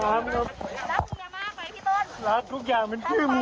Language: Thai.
อ่าผมไม่เป็นชื่อ